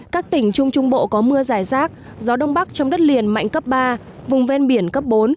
các tỉnh trung trung bộ có mưa dài rác gió đông bắc trong đất liền mạnh cấp ba vùng ven biển cấp bốn